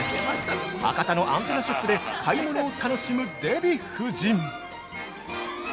◆博多のアンテナショップで買い物を楽しむデヴィ夫人